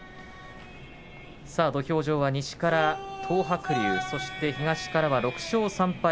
土俵上は西から東白龍そして東からは６勝３敗